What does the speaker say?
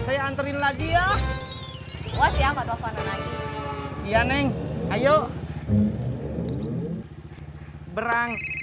saya anterin lagi ya